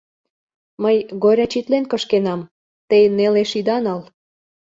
Мый горячитлен кышкенам, те нелеш ида нал.